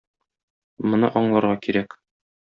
Моны аңларга кирәк.